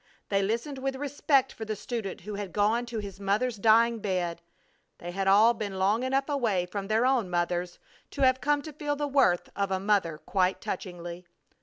They listened with respect for the student who had gone to his mother's dying bed. They had all been long enough away from their own mothers to have come to feel the worth of a mother quite touchingly.